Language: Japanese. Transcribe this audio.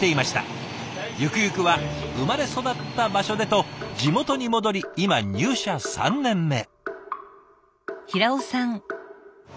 ゆくゆくは生まれ育った場所でと地元に戻り今入社３年目。